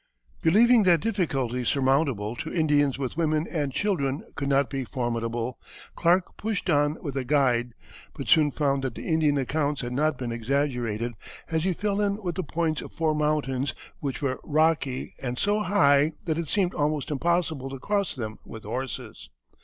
Believing that difficulties surmountable to Indians with women and children could not be formidable, Clark pushed on with a guide, but soon found that the Indian accounts had not been exaggerated, as he fell in with the points of four mountains, which were rocky, and so high that it seemed almost impossible to cross them with horses.